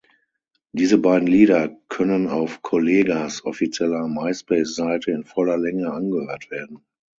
Diese beiden Lieder können auf Kollegahs offizieller Myspace-Seite in voller Länge angehört werden.